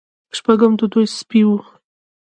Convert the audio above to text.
شپږم د دوی سپی و.